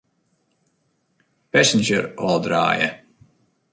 Passenger ôfdraaie.